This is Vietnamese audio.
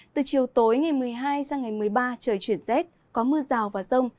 từ chiều tối ngày một mươi hai sang ngày một mươi ba trời chuyển rét có mưa rào và rông